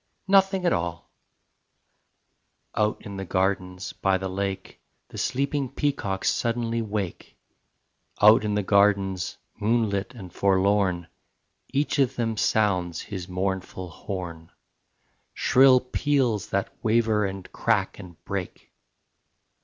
Nothing at all ... Out in the gardens by the lake The sleeping peacocks suddenly wake; Out in the gardens, moonlit and forlorn, Each of them sounds his mournful horn: Shrill peals that waver and crack and break.